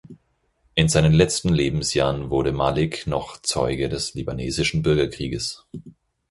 In seinen letzten Lebensjahren wurde Malik noch Zeuge des libanesischen Bürgerkrieges.